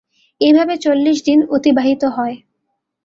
এভাবে চল্লিশ দিন অতিবাহিত হয়।